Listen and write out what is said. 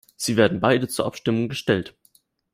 Sie werden beide zur Abstimmung gestellt.